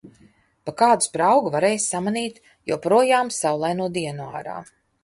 Pa kādu spraugu varēja samanīt joprojām saulaino dienu ārā.